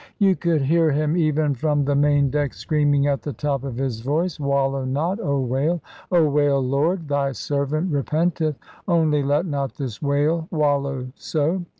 You could hear him even from the main deck screaming at the top of his voice, "Wallow not, O whale! O whale! Lord, Thy servant repenteth, only let not this whale wallow so."